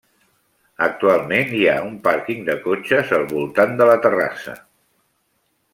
Actualment hi ha un pàrquing de cotxes al voltant de la Terrassa.